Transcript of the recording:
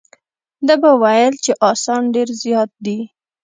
ده به ویل چې اسان ډېر زیات دي.